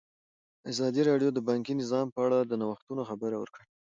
ازادي راډیو د بانکي نظام په اړه د نوښتونو خبر ورکړی.